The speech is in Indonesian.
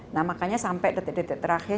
nah makanya sampai detik detik terakhir